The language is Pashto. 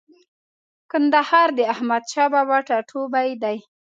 کندهار د احمدشاه بابا ټاټوبۍ دی.